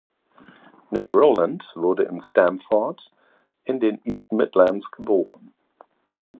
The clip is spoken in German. Nick Rowland wurde in Stamford in den East Midlands geboren.